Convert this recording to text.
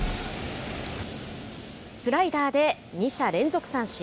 スライダーで２者連続三振。